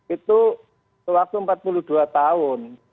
itu waktu empat puluh dua tahun